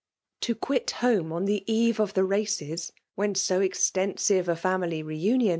To quit home on the eve of the races, when so extensive a £eimily reunion